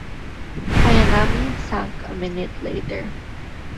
"Hayanami" sank a minute later.